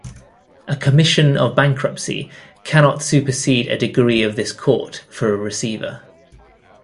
A commission of bankruptcy cannot supersede a degree of this court for a receiver.